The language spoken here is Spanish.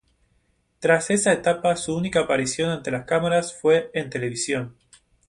Tras esa etapa su única aparición ante las cámaras fue en televisión.